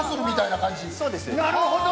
◆なるほど。